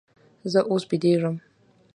زه اوس بېدېږم.